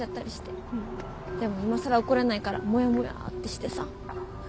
でも今更怒れないからモヤモヤってしてさ。